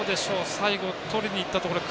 最後、とりにいったところで。